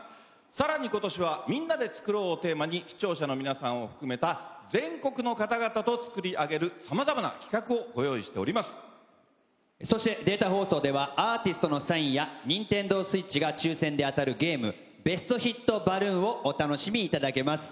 さらに今年はみんなで作ろう！をテーマに視聴者の皆さんを含めた全国の方々と作り上げるさまざまな企画をそしてデータ放送ではアーティストのサインやニンテンドースイッチが抽選で当たるゲームベストヒットバルーンをお楽しみいただけます。